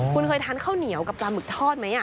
คุณเคยทานข้าวเหนียวกับปลาหมึกทอดไหม